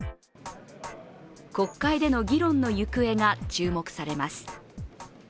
国会での議論の行方が注目されます。